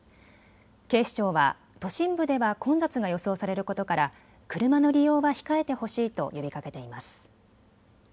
警視庁は都心部では混雑が予想されることから車の利用は控えてほしいと呼びかけています。